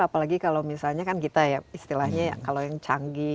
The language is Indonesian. apalagi kalau misalnya kan kita ya istilahnya kalau yang canggih